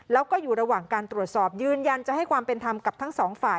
แล้วก็อยู่ระหว่างการตรวจสอบยืนยันจะให้ความเป็นธรรมกับทั้งสองฝ่าย